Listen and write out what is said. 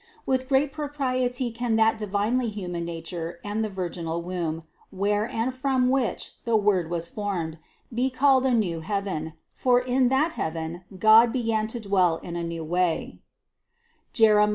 With great propriety can that divinely human nature and the virginal womb, where and from which the Word was formed, be called a new heaven ; for in that heaven, God began to dwell in a new way (Jerem.